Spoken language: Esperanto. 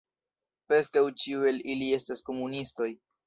Preskaŭ ĉiuj el ili estis komunistoj.